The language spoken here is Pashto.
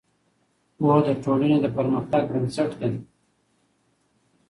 پوهه د ټولنې د پرمختګ بنسټ دی.